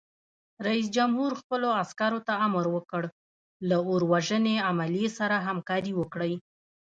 رئیس جمهور خپلو عسکرو ته امر وکړ؛ له اور وژنې عملې سره همکاري وکړئ!